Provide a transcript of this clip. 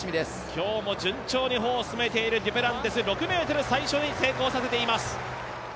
今日も順調に歩を進めているデュプランティス６ｍ最初に成功させています。